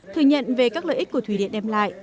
thừa nhận về các lợi ích của thủy điện đem lại